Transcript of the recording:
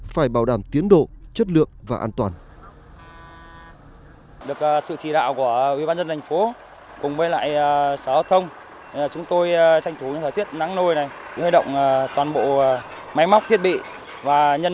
phải bảo đảm tiến độ chất lượng và an toàn